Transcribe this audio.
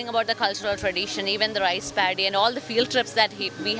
belajar tentang tradisi budaya bahkan paddy rice dan semua field trip yang kita lakukan